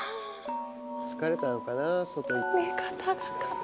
疲れたのかな外。